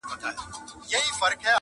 له نېستۍ به سې فارغ په زړه به ښاد سې.!